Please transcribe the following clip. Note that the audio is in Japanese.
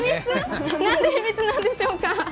何で秘密なんでしょうか？